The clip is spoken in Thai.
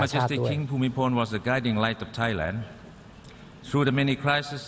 ขอขอบคุณต่อคำแสดงความเสียใจจากบรรยานานาประเทศ